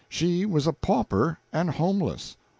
She was a pauper, and homeless.